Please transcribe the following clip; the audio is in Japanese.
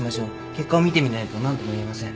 結果を見てみないと何とも言えません。